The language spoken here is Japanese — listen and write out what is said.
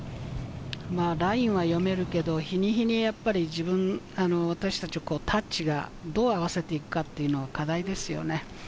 ラインは読めるけれど、日に日にやっぱり私たちはタッチがどう合わせていくかは課題ですよね。